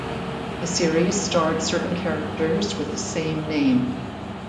The series starred certain characters with the same name.